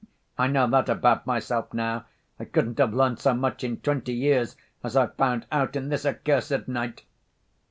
I know that about myself now. I couldn't have learnt so much in twenty years as I've found out in this accursed night!...